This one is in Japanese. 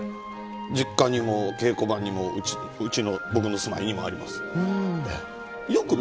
実家にも稽古場にもうちの僕の住まいにもあります。